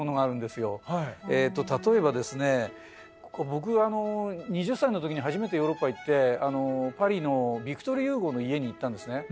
僕あの２０歳の時に初めてヨーロッパ行ってパリのヴィクトル・ユゴーの家に行ったんですね。